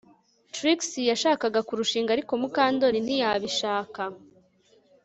Trix yashakaga kurushinga ariko Mukandoli ntiyabishaka